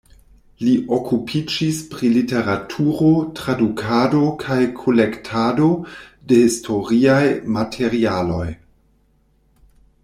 Li okupiĝis pri literaturo, tradukado kaj kolektado de historiaj materialoj.